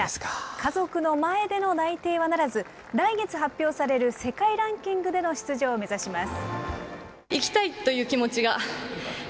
家族の前での内定はならず、来月発表される世界ランキングでの出場を目指します。